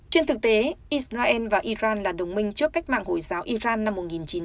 trên thực tế israel và iran là đồng minh trước cách mạng hồi giáo iran năm một nghìn chín trăm bốn mươi năm